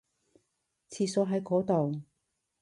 廁所喺嗰度